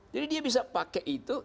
jadi dia bisa pakai itu